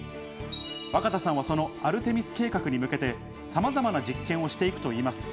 若田さんはそのアルテミス計画に向けて、さまざまな実験をしていくといいます。